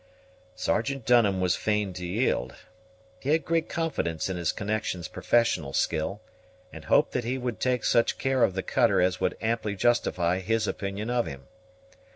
Sergeant Dunham was fain to yield. He had great confidence in his connection's professional skill, and hoped that he would take such care of the cutter as would amply justify his opinion of him.